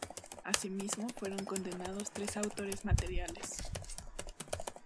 Asimismo fueron condenados tres autores materiales.